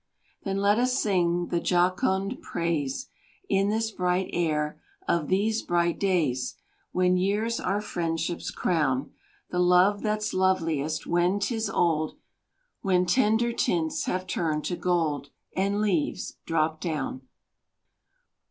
Then let us sing the jocund praise, In this bright air, of these bright days, When years our friendships crown; The love that's loveliest when 'tis old When tender tints have turned to gold And leaves drop down.